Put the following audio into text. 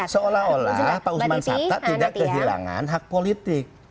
seolah olah pak usman sabta tidak kehilangan hak politik